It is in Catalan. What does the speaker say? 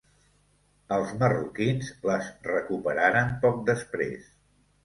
Els marroquins les recuperaren poc després.